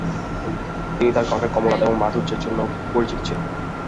তিনি তার কণ্ঠের কোমলতা এবং মাধুর্যের জন্য পরিচিত ছিলেন।